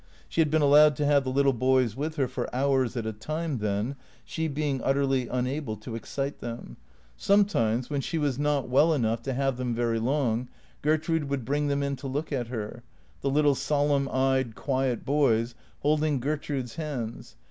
She had been allowed to have the little boys with her for hours at a time then, she being utterlv unable to excite them. Some 28 447 448 THECPtEATOES times, when she was not well enough to have them very long, Gertrude would bring them in to look at her, the little solemn eyed, quiet boys, holding Gertrude's hands.